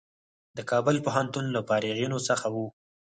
د کابل پوهنتون له فارغینو څخه و.